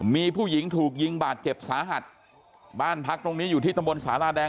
มีผู้หญิงถูกยิงบาดเจ็บสาหัสบ้านพักตรงนี้อยู่ที่ตำบลสาราแดง